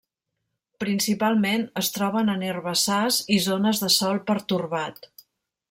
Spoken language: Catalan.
Principalment es troben en herbassars i zones de sòl pertorbat.